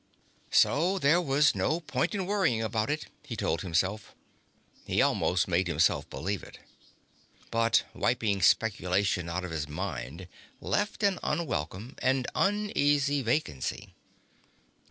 So there was no point in worrying about it, he told himself. He almost made himself believe it. But wiping speculation out of his mind left an unwelcome and uneasy vacancy.